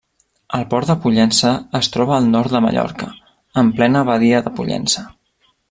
El Port de Pollença es troba al nord de Mallorca, en plena badia de Pollença.